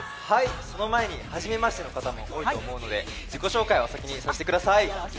その前に、はじめましての方も多いと思うので自己紹介を先にさせてください。